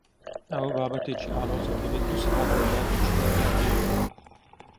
ئەوە بابەتێکی ئاڵۆزە و دەبێ دوو سەعات بۆی دابنیشی تا تێی بگەی.